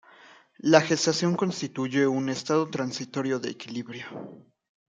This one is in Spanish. La gestación constituye un estado transitorio de equilibrio.